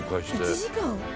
１時間！？